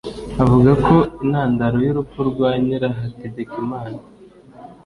Avuga ko intandaro y’ urupfu rwa Nyirahategekimana